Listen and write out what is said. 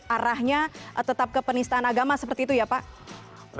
arahnya tetap ke penistaan agama seperti itu ya pak